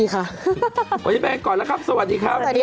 ก็ได้ก็ได้